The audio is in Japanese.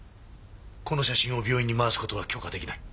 この写真を病院に回す事は許可出来ない。